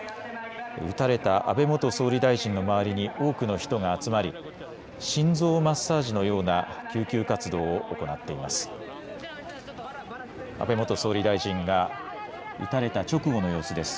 撃たれた安倍元総理大臣の周りに多くの人が集まり心臓マッサージのような救急活動を行っています。